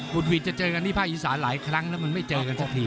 หวิดจะเจอกันที่ภาคอีสานหลายครั้งแล้วมันไม่เจอกันสักที